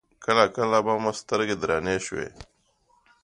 کله کله به مو سترګې درنې شوې.